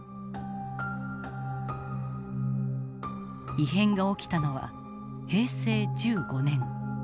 異変が起きたのは平成１５年。